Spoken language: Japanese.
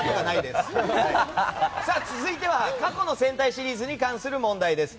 続いては過去の戦隊シリーズに関する問題です。